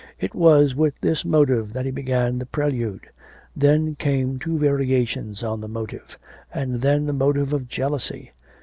It was with this motive that he began the prelude. Then came two variations on the motive, and then the motive of jealousy.